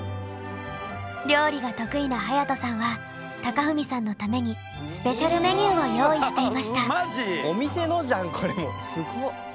料理が得意な隼人さんは貴文さんのためにスペシャルメニューを用意していました。